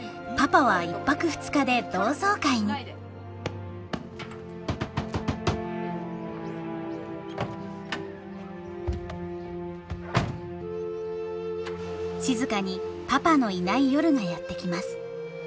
そんな時静にパパのいない夜がやって来ます。